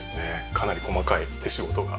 かなり細かい手仕事が。